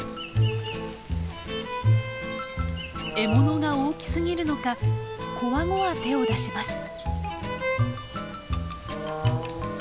獲物が大きすぎるのかこわごわ手を出します。